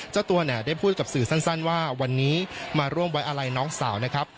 เจ้าตัวเนี่ยได้พูดกับสื่อสั้นว่าวันนี้มาร่วมไว้อะไรน้องสาวนะครับ